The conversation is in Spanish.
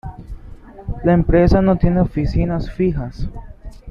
La empresa no tiene oficinas fijas.